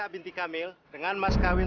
binti kamil dengan mas kawin